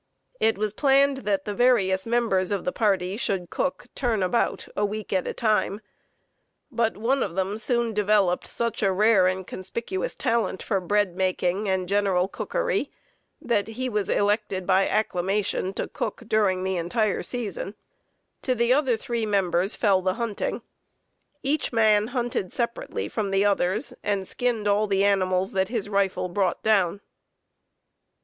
It was planned that the various members of the party should cook turn about, a week at a time, but one of them soon developed such a rare and conspicuous talent for bread making and general cookery that he was elected by acclamation to cook during the entire season. To the other three members fell the hunting. Each man hunted separately from the others, and skinned all the animals that his rifle brought down.